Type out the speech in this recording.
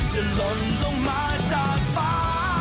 เดินลนลงมาจากฟ้า